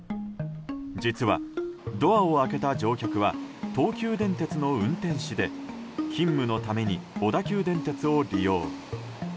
実はドアを開けた乗客は東急電鉄の運転士で勤務のために小田急電鉄を利用。